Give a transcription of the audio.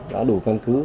đã đủ căn cứ